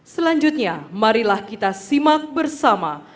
selanjutnya marilah kita simak bersama